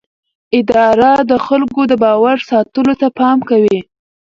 اداره د خلکو د باور ساتلو ته پام کوي.